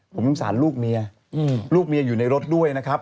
ผมสงสารลูกเมียลูกเมียอยู่ในรถด้วยนะครับ